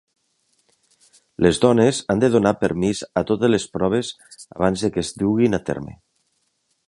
Les dones han de donar permís a totes les proves abans de que es duguin a terme.